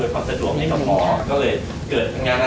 เกิดงานอาสาทตัวนี้ขึ้นมาที่อยากจะชวนอาสาททุกท่านมาร่วมกัน